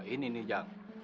ini nih jang